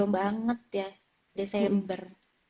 banget ya desember